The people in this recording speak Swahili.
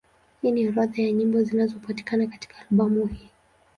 Hii ni orodha ya nyimbo zinazopatikana katika albamu hii.